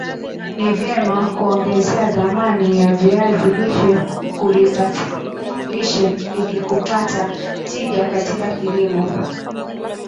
Ni vyema kuongeza dhamani ya viazi lishe ilikupata tija katika kilimo